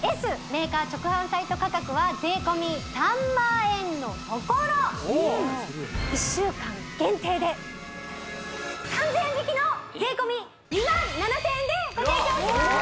メーカー直販サイト価格は税込３万円のところ１週間限定で３０００円引きの税込２万７０００円でご提供しまーす！